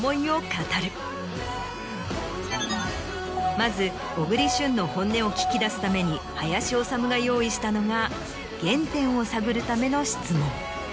まず小栗旬の本音を聞き出すために林修が用意したのが原点を探るための質問。